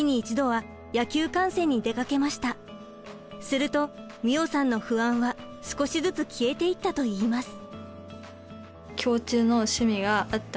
すると美桜さんの不安は少しずつ消えていったといいます。